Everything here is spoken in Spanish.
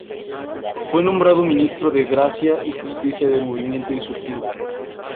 Fue nombrado ministro de Gracia y Justicia del movimiento insurgente.